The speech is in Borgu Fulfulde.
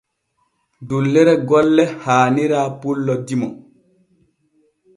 Dullere golle haanira pullo dimo.